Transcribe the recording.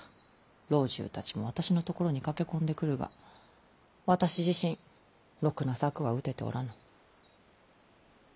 老中たちは私のところに駆け込んでくるが私自身ろくな策を打てておらぬ。